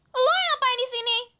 lo yang ngapain di sini